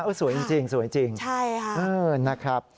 อุ่ยสวยจริงใช่ครับ